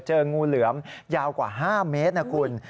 งูเหลือมยาวกว่า๕เมตรนะคุณ